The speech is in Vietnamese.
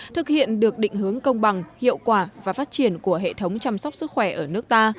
thực hiện được định hướng công bằng hiệu quả và phát triển của hệ thống chăm sóc sức khỏe ở nước ta